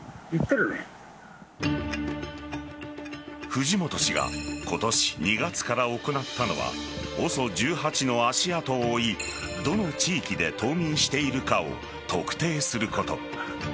藤本氏が今年２月から行ったのはＯＳＯ１８の足跡を追いどの地域で冬眠しているかを特定すること。